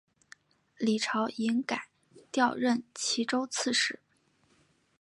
李朝隐改调任岐州刺史。